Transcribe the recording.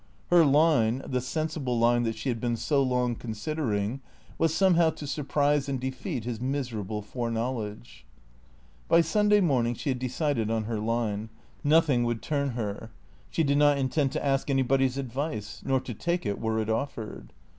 Her line, the sensible line that she had been so long considering, was somehow to surprise and defeat his miserable foreknowledge. By Sunday morning she had decided on her line. Nothing would turn her. She did not intend to ask anybody's advice, nor to take it were it offered.